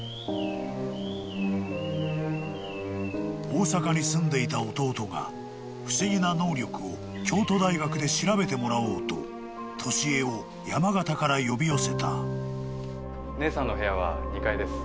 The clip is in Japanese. ［大阪に住んでいた弟が不思議な能力を京都大学で調べてもらおうと年恵を山形から呼び寄せた］